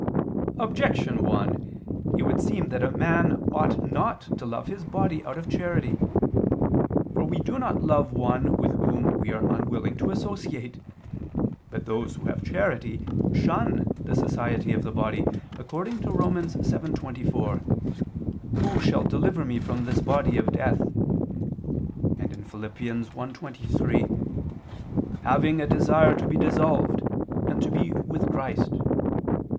Objection 1: It would seem that a man ought not to love his body out of charity. For we do not love one with whom we are unwilling to associate. But those who have charity shun the society of the body, according to Rom. 7:24: "Who shall deliver me from the body of this death?" and Phil. 1:23: "Having a desire to be dissolved and to be with Christ."